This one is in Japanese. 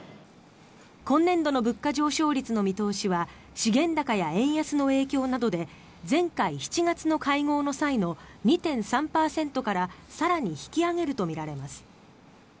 今年度の物価上昇率の見通しは資源高や円安の影響などで前回７月の会合の際の２．３％から更に引き上げるとみられます。